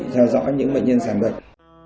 cho rõ những bệnh nhân sản bệnh